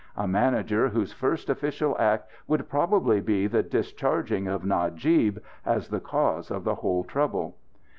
A manager whose first official act would probably be the discharging of Najib as the cause of the whole trouble.